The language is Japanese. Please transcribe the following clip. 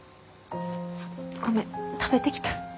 ごめん食べてきた。